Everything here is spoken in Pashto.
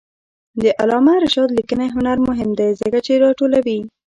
د علامه رشاد لیکنی هنر مهم دی ځکه چې راټولوي.